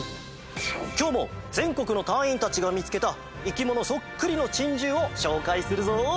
きょうもぜんこくのたいいんたちがみつけたいきものそっくりのチンジューをしょうかいするぞ！